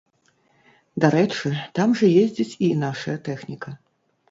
Дарэчы, там жа ездзіць і нашая тэхніка.